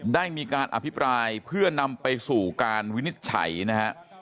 ได้มีการอภิปรายเพื่อนำไปสู่การวินิจฉัยนะฮะ